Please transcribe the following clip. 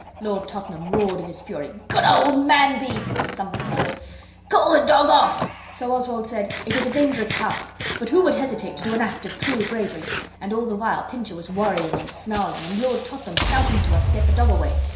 Lord Tottenham roared in his fury, 'Good old man be ' something or othered. 'Call the dog off.' So Oswald said, 'It is a dangerous task but who would hesitate to do an act of true bravery?' And all the while Pincher was worrying and snarling, and Lord Tottenham shouting to us to get the dog away.